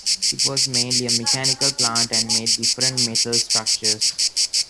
It was mainly a mechanical plant and made different metal structures.